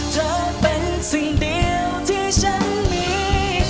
เธอเป็นสิ่งเดียวที่ฉันมี